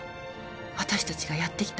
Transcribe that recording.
私たちがやってきた